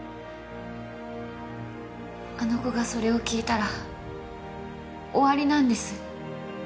「あの子がそれを聞いたら終わりなんです」